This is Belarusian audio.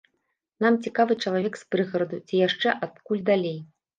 Нам цікавы чалавек з прыгараду ці яшчэ адкуль далей.